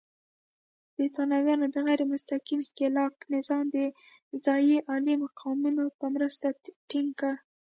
برېټانویانو د غیر مستقیم ښکېلاک نظام د ځايي عالي مقامانو په مرسته ټینګ کړ.